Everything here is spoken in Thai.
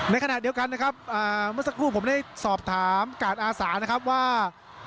ในขณะเดียวกันนะครับเมื่อสักครู่ผมได้สอบถามกาดอาสานะครับว่า